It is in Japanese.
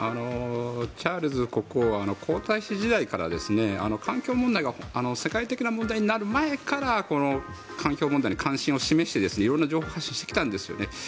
チャールズ国王は皇太子時代から環境問題が世界的な問題になる前からこの環境問題に関心を示して色々な情報発信をしてきたんですね。